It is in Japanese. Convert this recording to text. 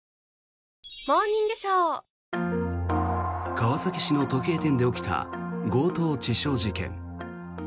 川崎市の時計店で起きた強盗致傷事件。